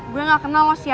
gue gak kenal lo siapa